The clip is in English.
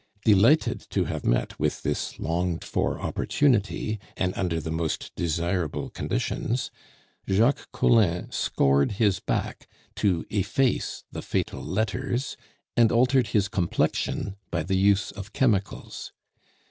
Delighted to have met with this longed for opportunity, and under the most desirable conditions, Jacques Collin scored his back to efface the fatal letters, and altered his complexion by the use of chemicals.